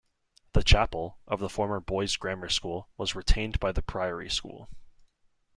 The Chapel, of the former Boys Grammar School, was retained by the Priory School.